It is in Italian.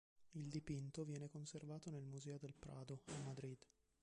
Il dipinto viene conservato nel Museo del Prado, a Madrid.